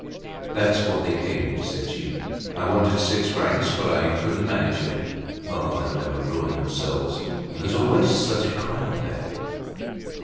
"That's what they gave me," said she. "I wanted six francs, but I couldn't manage it. Oh! they'll never ruin themselves. And there's always such a crowd there!"